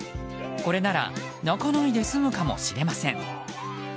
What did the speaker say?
これなら泣かないで済むかもしれません。